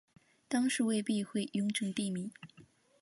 当是为避讳雍正帝名。